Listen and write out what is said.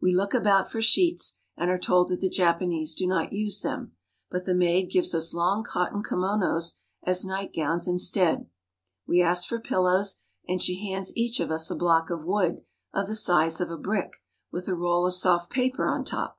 We look about for sheets, and are told that the Japanese do not use them ; but the maid gives us long cot "— the size of a brick." ton kimonos as nightgowns instead. We ask for pillows, and she hands each of us a block of wood of the size of a brick, with a roll of soft paper on top.